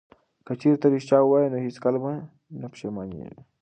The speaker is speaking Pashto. که چیرې ته ریښتیا ووایې نو هیڅکله به نه پښیمانیږې.